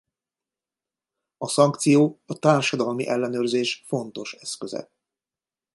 A szankció a társadalmi ellenőrzés fontos eszköze.